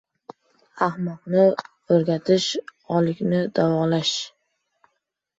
• Ahmoqni o‘rgatish — o‘likni davolash.